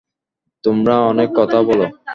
তোমারা অনেক কথা বলো।